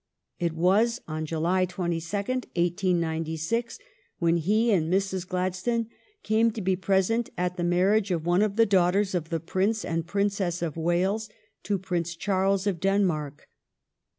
It was on July 22, 1896, when he and Mrs. Gladstone came to be present at the marriage of one of the daughters of the Prince and Princess of Wales to Prince Charles of Denmark.